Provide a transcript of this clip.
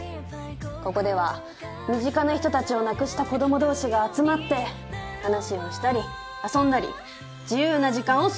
ここでは身近な人たちを亡くした子ども同士が集まって話をしたり遊んだり自由な時間を過ごす。